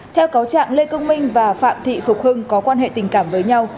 theo cáo trạng lê công minh và phạm thị phục hưng có quan hệ tình cảm với nhau